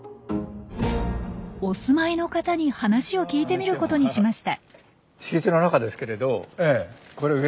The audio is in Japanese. お住まいの方に話を聞いてみることにしました。